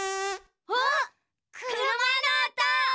あっくるまのおと！